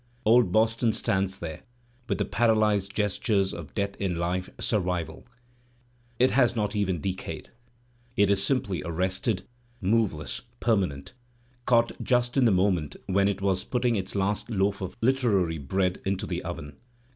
Old Boston stands there with the paralyzed gestures of death in life survival; it has not even decayed; it is simply arrested, moveless, permanent, caught just in the moment when it was putting its last loaf of Uteraiy bread into the oven.